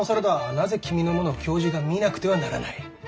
なぜ君のものを教授が見なくてはならない？